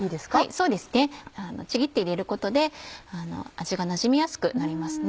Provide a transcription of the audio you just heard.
そうですねちぎって入れることで味がなじみやすくなりますね。